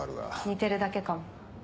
似てるだけかも。